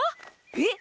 えっ？